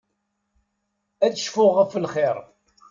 Ad cfuɣ ɣef lxir.